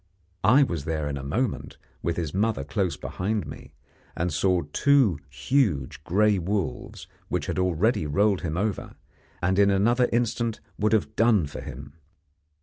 I was there in a moment, with his mother close behind me, and saw two huge gray wolves which had already rolled him over, and in another instant would have done for him.